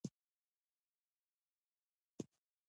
ځنګلونه د افغانستان د اقلیمي نظام ښکارندوی ده.